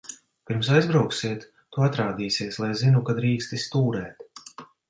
Pirms aizbrauksiet, tu atrādīsies, lai zinu, ka drīksti stūrēt.